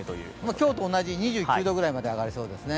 今日と同じ２９度ぐらいまで上がりそうですね。